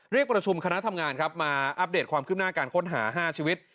เรียกประชุมคณะทำงานครับมาอัปเดตความคืบหน้าการค้นหา๕ชีวิต